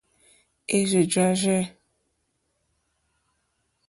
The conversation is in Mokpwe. Érzù jârzɛ̂.